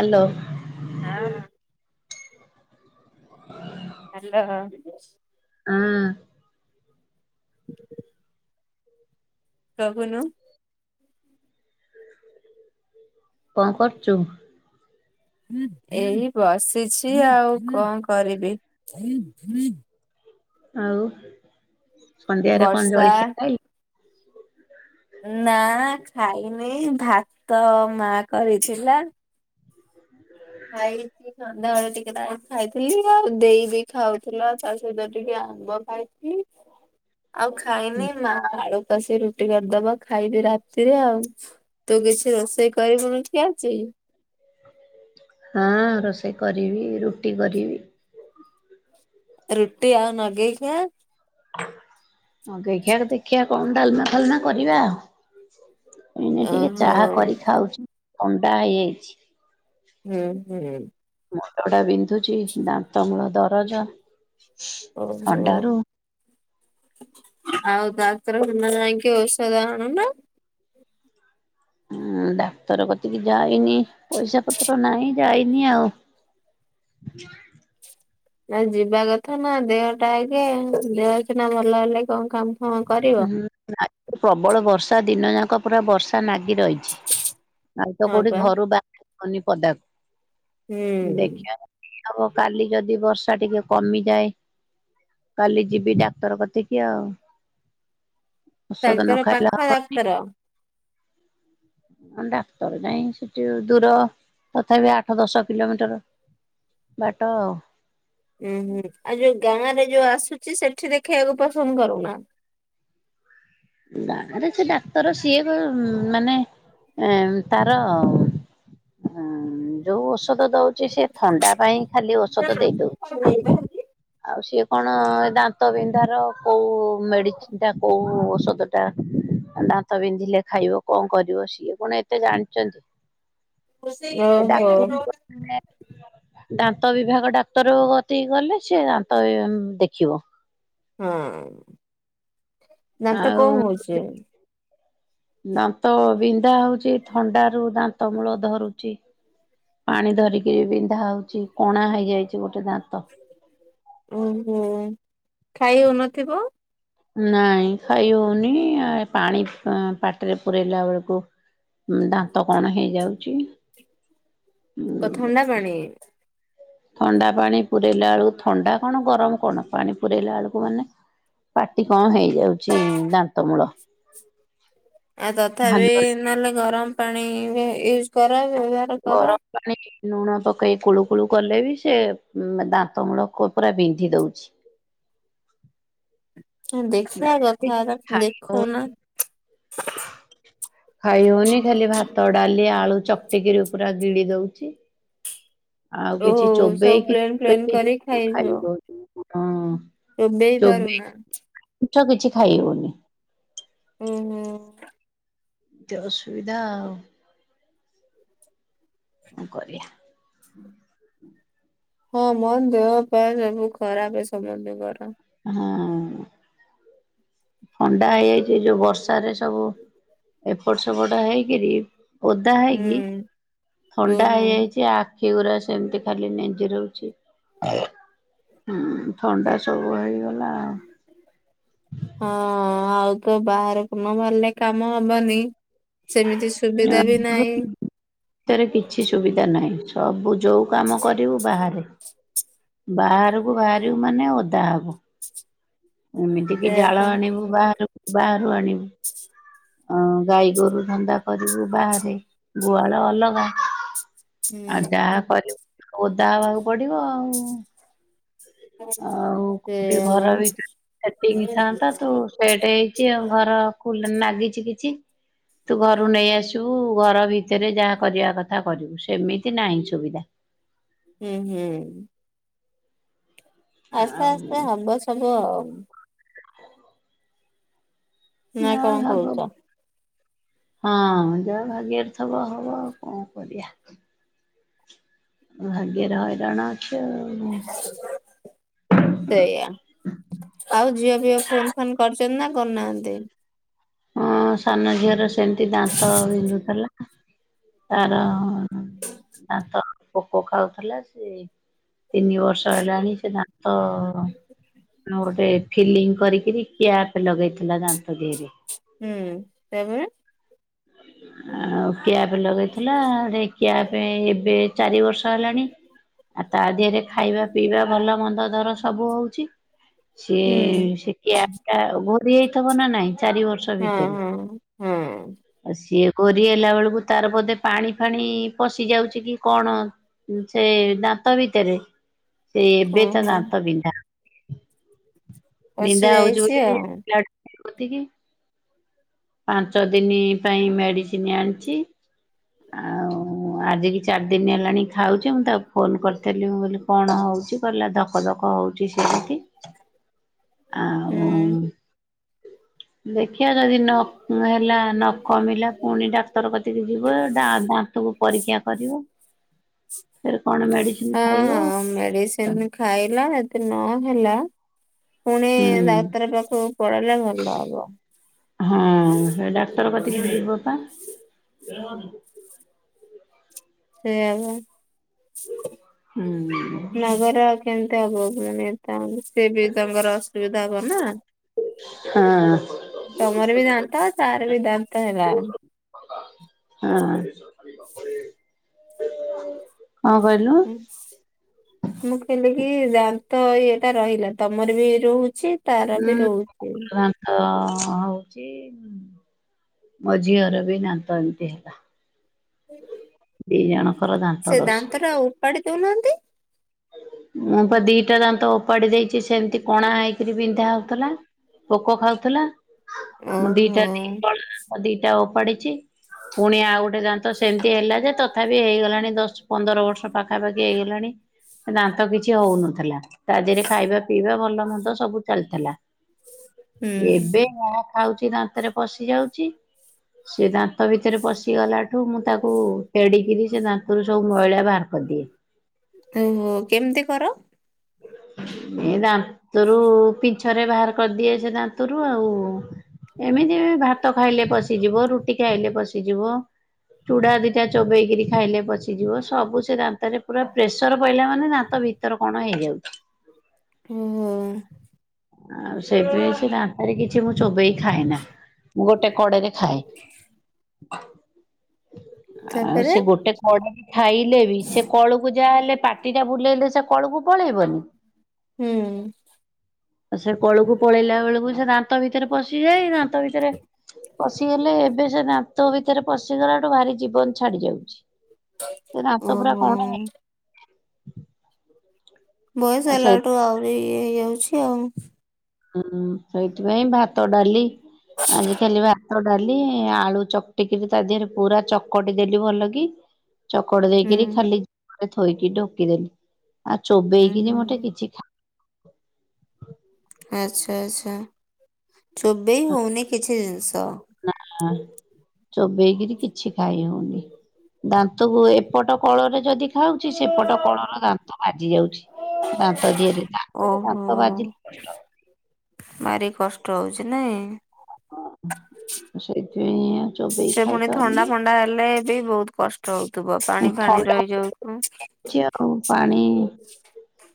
Hello. [unintelligible] [unintelligible] Hello. ହଁ। [unintelligible] କହୁନୁ। ର୍କ କରୁଛୁ? ଏଇ ବସିଛି ଆଉ କଣ କରିବି। ଆଉ ସନ୍ଧ୍ୟାରେ କଣ ବର୍ଷା ଜଳଖିଆ। ଖାଇଲୁ? ନା ଖାଇନି ଭାତ ମା କରିଥିଲା। ଖାଇଚି ସନ୍ଧ୍ୟାବେଳେ ଟିକେ ଖାଇଥିଲି ଆଉ ଦେଇ ବି ଖାଉଥିଲ ତା ସହିତ ଟିକେ ଆମ୍ବ ଖାଇ [unintelligible] ଆଉ ଖାଇନି ମା ଆଳୁ ପଶି ରୁଟି କରିଦବ ଖାଇବି ରାତିରେ ଆଉ ତୁ କିଛି ରୋଷେଇ କରିବୁନୁକି ଆଜି ହଁ ରୋଷେଇ କରିବି ରୁଟି କରିବି। ରୁଟି ଆଉ ନଗେଇଖିଆ [unintelligible] ନଗେଇଖିଆ ରେ ଦେଖିବା କଣ ଡାଲମା ଫାଲମା କରିବା ଆଉ ଏଇନେ ଟିକେ ଓହୋ ଚାହା କରି ଖାଉଛି ଥଣ୍ଡା ହେଇଯାଇଛି। ହୁଁ ହୁଁ ମୁଣ୍ଡଟା ବିନ୍ଧୁଛି ଦାନ୍ତ ମୂଳ ଦରଜ। ଥଣ୍ଡାରୁ। [unintelligible] ଆଉ ଡାଟରଖାନା ଯାଇକି ଔଷଧ ଆଣୁନା ହଁ ଡାକ୍ତର କତିକି ଯାଇନି ପଇସା ପତ୍ର ନାହିଁ ଯାଇନି ଆଉ [unintelligible] ଆଉ ଯିବା କଥା ନା ଦେହଟା ଆଗେ ଦେହସିନା ଭଲ ହେଲେ କଣ କାମ ଫାମ କରିବ। ହୁଁ ପ୍ରବଳ ବର୍ଷା ଦିନ ଯାକ ପୁରା ବର୍ଷା ନାଗି ରହିଛି। ଆଉତ ହଁ କୋଉଠି ପା ଘରୁ ବାହାରି ହଉନି ପଦାକୁ ହୁଁ ଦେଖିବା ହବ କାଲି ଯଦି ବର୍ଷା ଟିକେ କମିଯାଏ କାଲି ଯିବି ଡାକ୍ତର କତିକି ଆଉ ଔଷଧ ନ ଡାକ୍ତର ଖାଇଲେ ପାଖ ଡାକ୍ତର [inaudible] ହ ଡାକ୍ତର ଯାଇ ସେଠି ଦୂର ତଥାପି ଆଠ ଦଶ କିଲୋମିଟର, ବାଟ ଉୁଁ ହୁଁ ଆଉ ଯୋଉ ଗାଁ ରେ ଯୋଉ ଆସୁଛି ସେଠି ଦେଖେଇବାକୁ ପସନ୍ଦ କରୁନା ବାରେ ସେ ଡାକ୍ତର ସିଏ କ ମାନେ ଏ ତାର ହୁଁ ଯୋଉ ଔଷଧ ଦଉଛି ସେ ଥଣ୍ଡା ପାଇଁ ଖାଲି ଔଷଧ ଦେଇ ଦଉଛି ଆଟ [unintelligible] ଆଉ ସିଏ କଣ ଦାନ୍ତ ବିନ୍ଧାର କୋଉ ମେଡିସିନ ଟା କୋଉ ଔଷଧ ଦାନ୍ତ ବିନ୍ଧିଲେ ଖାଇବ କଣ କରିବ ସିଏ କଣ ଏତେ ଜାଣିଛନ୍ତି। ସେ ଓହୋ ଡାକ୍ତର ହଁ [unintelligible] ଦାନ୍ତ ବିଭାଗ ଡାକ୍ତର କତିକି ଗଲେ ସେ ଦାନ୍ତ ଦେଖିବ ହଁ ଦାନ୍ତ ଆଉ କଣ ହଉଛି ଦାନ୍ତ ବିନ୍ଧା ହଉଛି ଥଣ୍ଡାରୁ ଦାନ୍ତ ମୂଳ ଧରୁଛି ପାଣି ଧରିକି ବିନ୍ଧା ହଉଛି କଣା ହେଇଯାଇଛି ଗୋଟେ ଦାନ୍ତ ଓହୋ ଖାଇ ହଉନଥିବ ନାଇଁ ଖାଇ ହଉନି ପାଣି ପାଟିରେ ପୁରଇଲା ବେଳକୁ ଦାନ୍ତ କଣ ହେଇଯାଉଛି ତ ଥଣ୍ଡା ପାଣି ଥଣ୍ଡା ପାଣି ପୁରାଇଲା ବେଳକୁ ଥଣ୍ଡା କଣ ଗରମ କଣ ପାଣି ପୁରାଇଲା ବେଳକୁ ମାନେ ପାଟି କଣ ହେଇଯାଉଛି ଦାନ୍ତ ମୂଳ। ଆଉ ତଥାପି ହାଲୁଆ ନହେଲେ ଗରମ ପାଣି ୟୁଜ କର ବ୍ୟବହାର କର। [inaudible] ଲୁଣ ପକେଇ କୁଳୁ କୁଳୁ କଲେ ବି ସେ ଦାନ୍ତ ମୂଳକ ପୁରା ବିନ୍ଧି ଦଉଛି। ହ ଦେଖିବା କ ଖାର ଖାଇ ଦେଖୁ ହଉ ନା [unintelligible] ଖାଇହଉନି ଖାଲି ଭାତ ଡାଲି ଆଳୁ ଚଟିକିରି ପୁରା ଗିଡି ଦଉଛି। ଆଉ କିଛି ଓହୋ ସବୁ ଚୋବେଇକି ପ୍ଲେନ୍ ପ୍ଲେନ୍ କରି ଖାଇଯ ହଁଅଁ। ରୋବେଇ ପାରୁନା। ମିଠା କିଛି ଖାଇ ହଉନି। ଉ ହୁଁ। ଏତେ ଅସୁବିଧା ଆଉ। କଣ କରିବା। ହଁ ମୋ ଦେହ ଫେହ ସବୁ ଖରାପ ସମନ୍ତିଙ୍କର। ହଁ ଅଁ। ଥଣ୍ଡା ହେଇଯାଇଚି ଯଉ ବର୍ଷାରେ ସବୁ ଏପଟ ସେପଟ ହେଇକିରି। ଓଦା ହୁଁ ହେଇକି ଥଣ୍ଡା ଓହୋ ହେଇଯାଇଚି ଆ ଆଖି ଗୁରା ସେମିତି ଖାଲି ନେଞ୍ଜରଉଚି। ହୁଁ ଥଣ୍ଡା ସବୁ ହେଇଗଲା ଆଉ। [inaudible] ହଁ ଆଉ ତ ବାହାରକୁ ନବାହାରିଲେ କାମ ହବନି। ସେମିତି ସୁବିଧା ବି ନାଇଁ। ଭିତରେ କିଛି ସୁବିଧା ନାହିଁ ସବୁ ଯୋଉ କାମ କରିବୁ ବାହାରେ। ବାହାରକୁ ବାହାରିବୁ ମାନେ ଓଦା ହବୁ। ଏମିତି କି ସେଇଆ ଜାଳ ପା ଆଣିବୁ ବାହାରକୁ ବାହାରୁ ଆଣିବୁ। [inaudible] ଅ ଗାଈ ଗୋରୁ ଧନ୍ଦା କରିବୁ ବାହାରେ ଗୁହାଳ ଅଲଗା। ଆଉ ହୁଁ ଯାହା କରିବୁ ଓଦା ହେବାକୁ ପଡିବ ଆଉ। ଆଉ କୋଉଠି ସେଇଆ ବା ଘର ବି ସେଟିଙ୍ଗ ତୁ ସେଟେଇ କି ଘର ଲାଗିଛି ନାଗିଚି କିଛି। ତୁ ଘରୁ ନେଇ ଆସିବୁ ଘର ଭିତରେ ଯାହା କରିବା କଥା କରିବୁ ସେମିତି ନାହିଁ ସୁବିଧା। ହୁଁ ହୁଁ। ଆସ୍ତେ ଆଉ ଆସ୍ତେ ହବ ସବୁଆଉ। ନା ନାଁ କଣ ହ [inaudible] କହୁଛ ହଁ ଯାହା ଭାଗ୍ୟରେଥବ ହବ ଆଉ କଣ କରିବା। ଭାଗ୍ୟରେ ହଇରାଣ ଅଛିଆଉ। ହ ସେଇଆା ଆଉ ଝିଅ ଫିଅ ଫୋନ ଫାନ କରିଛନ୍ତି ନା କରୁନାହାନ୍ତି? ହଁ ସାନ ଝିଅର ସେମତି ଦାନ୍ତ ବିନ୍ଧୁଥେଲା। ତାର ଅ ଁ ଦାନ୍ତ ପୋକ ଖାଉଥିଲା ଜେ ତିନି ବର୍ଷ ହେଲାଣି ସେ ଦା ତ ମୁଁ ଗୋଟେ ଫିଲିଙ୍ଗ କରିକି କ୍ୟାପ ଲଗେଇ ହେଲା ଦାନ୍ତ ଦିହରେ। ହୁଁ ତାପରେ। ଆଉ। କ୍ୟାପ ଲଗେଇଥିଲା କ୍ୟାପ୍ ଏବେ ଚାରି ବର୍ଷ ହେଲାଣି। ଆଉ ତା ଦିହରେ ଖାଇବା ପିଇବା ଭଲ ମନ୍ଦ ଧର ସବୁ ହଉଛି ସିଏ ହୁଁ ସେ କ୍ୟା ହେଟା ଘୋରି ହେଇଥିବ ନା ନାଇଁ ଚାରି ବର୍ଷ। ହଁ ଭିତରେ। ହଁ। ହଁ ଆଉ ସିଏ କୋରି ହେଲା ବେଳକୁ ତାର ବୋଧେ ପାଣି ଫାଣି ପଶି ଯାଉଛି କି କଣ। ସେ ଦାନ୍ତ ଭିତରେ। ଏ ଏବେ ତା ଓହୋ ଦାନ୍ତ ବିନ୍ଧା ପଶି ବିନ୍ଧା ହଉଛି ଯାଇଛି ବୋଲିକି। ଆଉ। ପୋତିକି। ପାଞ୍ଚ ଦିନ ପାଇଁ ମେଡିସିନ ଆଣିଚି। ମୁଁ ଆଜିକି ଚାରି ଦିନ ହେଲାଣି ଖାଉଚି। ମୁଁ ତାକୁ ଫୋନ କରିଥିଲି ମୁଁ କହିଲି କଣ ହଉଚି? କହିଲା ଧକ ଧକ ହଉଚି ସେମିତି। ହୁଁ ଆଉଁ ଦେଖିବା ଯଦି ନ ହେଲା ନ କମିଲା ପୁଣି ଡାକ୍ତର କତିକି ଯିବ। ଡା ବା ସବୁ ପରୀକ୍ଷା କରିବ। ଫେରେ କଣ ମେଡିସିନ ହଁ ଖାଇବ ହଁ ମେଡିସିନ ଖାଇଲା ଯଦି ନହେଲା। ପୁଣି ହୁଁ ଡାକ୍ତର ପାଖକୁ ପଳେଇଲେ ଭଲ ହବ। ହଁ ସେ ଡାକ୍ତର କତି କି ଯିବ ପା। ସେଇଆ ପା ହୁଁ ନ ଗଲେ ଆଉ କେମିତି ହବ। ପୁଣି ତା ବୋଲି ସିଏ ବି ତାଙ୍କର ଅସୁବିଧା ହବ ନା? ହଁ। ତମର ବି ଦାନ୍ତ ଆଉ ତାର ବି ଦାନ୍ତ ହେଲା? ହଁ। କହିଲୁ ଉଁ ମୁଁ କହିଲି କି ଦାନ୍ତ ଇଏଟା ରହିଲା ତମର ବି ରହୁଚି। ତାର ବି ରହୁଚି। ତ ହଉଚି। ମୋ ଝିଅର ବି ଦାନ୍ତ ଏମତି ହେଲା। ହୁଁ ଦି ଜଣଙ୍କର ଦାନ ସେ ଦାନ୍ତ ଟା ଆ ଉପାଡି ଦଉ ନାହାଁନ୍ତି? ମୁଁ ପା ଦିଟା ଦାନ୍ତ ଓପାଡି ଦେଇଚି। ସେମିତି କଣା ହେଇକିରି ବିନ୍ଧା ହଉଥିଲା। ପୋକ ଖାଉଥିଲା ମୁଁ ଓହୋ ଦିଟା କଲ ଦାନ୍ତ ଦିଟା ଓପାଡିଚି। ପୁଣି ଆଉ ଗୋଟେ ଦାନ୍ତ ସେମିତି ହେଲା ଯେ ତଥାପି ହେଇଗଲାଣି ଦଶ ପନ୍ଦର ବର୍ଷ ପାଖାପାଖି ହେଇଗଲାଣି। ଦାନ୍ତ କିଛି ହଉନଥିଲା ତା ଦେହରେ ଖାଇବା ପିଇବା ଭଲ ମନ୍ଦ ସବୁ ଚାଲିଥିଲା। ହୁଁ। ଏବେ ଯାହା ଖାଉଚି ଦାନ୍ତରେ ପଶି ଯାଉଚି। ସେ ଦାନ୍ତ ଭିତରେ ପଶିଗଲାଠୁ ମୁଁ ତାକୁ ଫେଡ଼ିକିରି ସେ ଦାନ୍ତରୁ ସବୁ ମଇଳା ବାହାର କରିଦିଏ। ଓହୋ କେମିତି କର? ଏ ଦାନ୍ତରୁ ପିଁଛ ରେ ବାହାର କରିଦିଏ ସେ ଦାନ୍ତରୁ ଆଉ। ଏମିତି ଭାତ ଖାଇଲେ ପଶିଯିବ ରୁଟି ଖାଇଲେ ପଶିଯିବ। ଚୁଡା ଦିଟା ଚୋବେଇକିରି ଖାଇଲେ ପଶି ସେ ଯିବ ସବୁ ସେ ଦାନ୍ତରେ ପୁରା ପ୍ରେସର ପଇଲା ମାନେ ଦାନ୍ତ ଭିତର କଣ ହେଇଯାଉଚି? ଓହୋ। ଆଉ ସେଥି ପାଇଁ ସେ ଦନ୍ତାରେ କିଛି ମୁଁ ଚୋବେଇ ଖାଏ ନା। ମୁଁ ଗୋଟେ କଡରେ ଖାଏ। ହଁ ଆଉ ସେ ଗୋଟେ କଡରେ ଖାଇଲେ ବି ସେ କଳୁକୁ ଯାହା ହେଲେ ପାଟି ଟା ବୁଲେଇଲେ ସେ କଳକୁ ପଳେଇବନି? ହୁଁ। ଆଉ ସେ କଳୁକୁ ପଳେଇଲା ବେଳକୁ ସେ ଦାନ୍ତ ଭିତରେ ପଶିଯାଏ। ଦାନ୍ତ ଭିତରେ ପଶିଗଲେ ଏବେ ସେ ଦନ୍ତ ଭିତରେ ପଶିଗଲାଠୁ ଭାରି ଜୀବନ ଛାଡି ଯାଉଚି। ସେ ଦନ୍ତ ପୁରା ଓହୋ କଣ ହେ ବୟସ ଆଉ ସେଇ ହେଲାଠୁ ଆହୁରି ଇଏ ହେଇଯାଉଚି ଆଉ। ହୁଁ ସେଇଥିପାଇଁ ଭାତ, ଡାଲି ଆଜି ଖାଲି ଭାତ, ଡାଲି, ଆଳୁ ଚକଟିକିରି ତା ଦେହରେ ପୁରା ଚକଟି ଦେଲି ଭଲ କି ହ [inaudible] ଚକଡ଼ି ଦେଇକିରି ଖାଲି ଜିଭରେ ଥୋଇକି ଢକିଦେଲି। ଆଉ ହୁଁ ଚୋବେଇକିରି ମୋଟେ ହୁଁ କିଛି ଖା ଆଚ୍ଛା ଆଚ୍ଛା ଚୋବେଇ ହଉନି କିଛି ଜିନିଷ? ନାଁ। ଚୋବେଇକିରି କିଛି ଖାଇହଉନି। ଦାନ୍ତକୁ ଏପଟ କଳରେ ଯଦି ଦେ ହଉଛି ସେପଟ କଳର ଦାନ୍ତ ବାଜି ଯାଉଛି। ଦାନ୍ତ ଦିରେ ଦାନ୍ତରେ ଓହୋ ଦାନ୍ତ ବାଜିଲେ କଷ୍ଟ ହବ। ଭାରି କଷ୍ଟ ହଉଚି ନାଇଁ? ସେଇଥିପାଇଁ ଚୋବେଇ ସେ ପୁଣି ଥଣ୍ଡା ଖାଇପାରୁନି ଫଣ୍ଡା ହେଲେ ବି ବହୁତ କଷ୍ଟ ହଉଥିବ ପାଣି ଫାଣି ରହିଯାଉଥିବ। ଯଉ ପାଣି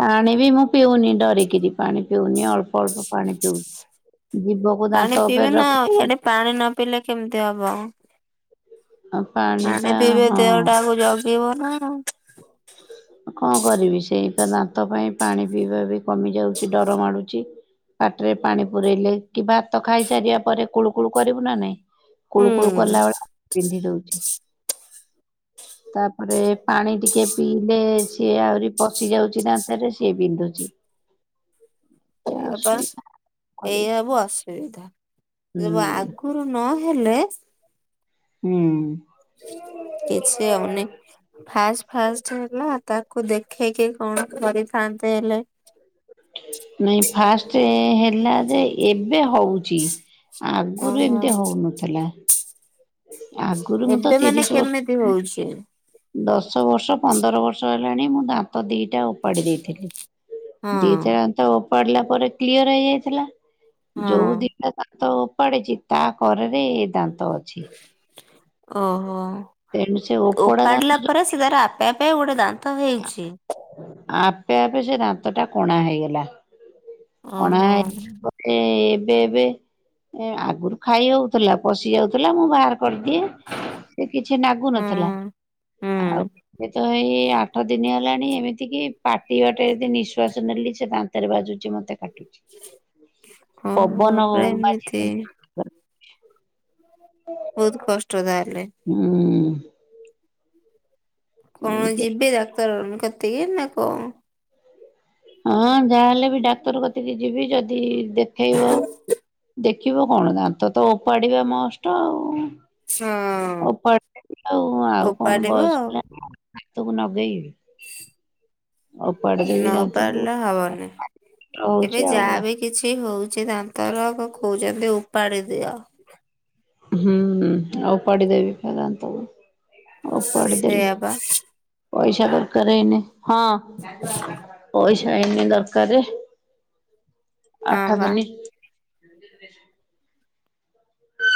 ପାଣି ବି ମୁଁ ପିଉନି ଡରିକିରି ପାଣି ପିଉନି ଅଳ୍ପ ଅଳ୍ପ ପାଣି ପିଉଛିି। ଜିଭ ପାଣି ପିଇବେ ନା ଆଉ ଇଆଡେ ପାଣି ନ ପିଇଲେ କେମିତି ହବ? ପାଣି ପା ପିଇବେ ହଁ ଦେହ ଟାକୁ ଜଗିବ ନା। କଣ କରିବି ସେଇ ଦାନ୍ତ ପାଇଁ ପାଣି ପିଇବା ବି କମି ଯାଉଛି ଡର ମାଡୁଛି। ପାଟିରେ ପାଣି ପୁରଇଲେ କି ଭାତ ଖାଇସାରିବା ପରେ କୁଳୁ କୁଳୁ କରିବୁ ନା ନାଇଁ? କୁଳୁ କୁଳୁ କଲା ହୁଁ ବେଳେ ବିନ୍ଧି ଦଉଛି ତାପରେ ପାଣି ଟିକେ ପିଇଲେ ସିଏ ଆହୁରି ପଶି ଯାଉଛି ଦାନ୍ତ ରେ ସିଏ ବିନ୍ଧୁଛି। ଏମିତି ଏଇଆ ପା ଅସୁବିଧା ଏଇ କରିବି। ସବୁ ଅସୁବିଧା ଯବୁ ହୁଁ। ଆଗ ଗୁରୁ ନ ହେଲେ ହୁଁ। କିଛି ଅନେକ ଫାଷ୍ଟ ଫାଷ୍ଟ ହେଲା ତାକୁ ଦେଖେଇକି କଣ କରିଥାନ୍ତେ ହେଲେ? ନାଇଁ ଫାଷ୍ଟ ହେଲା ଯେ ଏବେ ହଉଛି। ଆଗରୁ ଓହୋ ଏମିତି ହଉନଥିଲା ଆଗରୁ ମୁଁ ତ ଏବେ ମାନେ ତିରିଶ ବର୍ଷ କେମିତି ହଉଛି। ଦଶ ବର୍ଷ ପନ୍ଦର ବର୍ଷ ହେଲାଣି ମୁଁ ଦାନ୍ତ ଦିଟା ଓପାଡି ଦେଇଥିଲି। ହଁ ଦିଥର ଦାନ୍ତ ଉପାଡିଲା ପରେ କ୍ଲିୟର ହେଇଯାଇଥିଲା ହଁ ଯୋଉ ଦି ଟା ଦାନ୍ତ ଉପାଡିଛି ତା କରରେ ଦାନ୍ତ ଅଛି। ଓହୋ ତେଣୁ ସେ ଓପଡା ଦାନ୍ତ ଓପାଡିଲା ଯୋଉ ପରେ ତାର ଆପେ ଆପେ ଗୋଟେ ଦାନ୍ତ ହେଉଛି। ଆପେ ଆପେ ସେ ଦାନ୍ତ ଟା କଣା ହେଇଗଲା କଣା ଓହୋ ହେଇ ଏ ଏବେ ଏବେ ଆଗରୁ ଖାଇ ହଉଥିଲା ପଶି ଯାଉଥିଲା ମୁଁ ବାହାର କରିଦିଏ ସେ କିଛି ନାଗୁ ହୁଁ ନଥିଲା ଆଉ ହୁଁ ତ ଏଇ ଆଠ ଦିନି ହେଲାଣି ଏମିତିକି ପାଟି ବାଟେ ଯଦି ନିଃଶ୍ୱାସ ନେଲି ସେ ଦାନ୍ତରେ ବାଜୁଛି ମୋତେ କାଟୁ ଓହୋ ପବନ ପୁରା ଏମିତି ବାଜିଲେ ବହୁତ କଷ୍ଟ ତାହେଲେ। ହୁଁ। କଣ ଏମିତି ଯିବି ଡାକ୍ତର କତିକି ନା କଣ? ହଁ ଯାହାହେଲେ ବି ଡାକ୍ତର କତିକି ଯିବି ଯଦି ଦେଖେଇବ ଦେଖିବ କଣ ଦାନ୍ତ ତ ଉପାଡିବା ମଷ୍ଟ ଆଉ। ହଁ ଆଉ ଆଉ କଣ ଓପାଡିବ ବୟସ ଆଉ ହେଲାଣି? ଦାନ୍ତକୁ ନଗେଇ ବି ଓପାଡ଼ି ଦେବି ଦାନ୍ତ ପାରିଲା ହବନି ଏବେ ଆଉ। ଯାହା ବି କିଛି ହଉଛି ଦାନ୍ତର କହୁଛନ୍ତି ଉପାଡି ଦିଅ। ହୁଁ ଆଉ ଓପାଡ଼ିଦେବି ପା ଦାନ୍ତକୁ ଓପାଡିଦେଲି। ସେଇଆ ବା ପଇସା ଦରକାର ଏଇନେ ହଁ ପଇସା ଏଇନେ ଦରକାର ହଁ ଆଠ ବା। ଦିନି